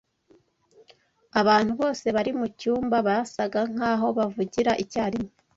Abantu bose bari mucyumba basaga nkaho bavugira icyarimwe.